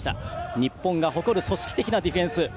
日本が誇る組織的なディフェンス。